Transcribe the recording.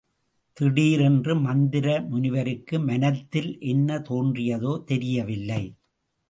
திடீரென்று மந்தர முனிவருக்கு மனத்தில் என்ன தோன்றியதோ தெரியவில்லை!